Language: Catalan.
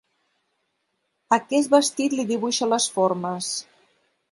Aquest vestit li dibuixa les formes.